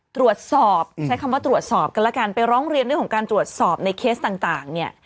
ตรวจสอบใช้คำว่าตรวจสอบกันแล้วกันไปร้องเรียนเรื่องของการตรวจสอบในเคสต่างเนี่ย